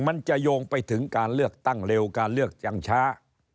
มันจะโยงไปถึงการเลือกตั้งเร็วการเลือกจังช้า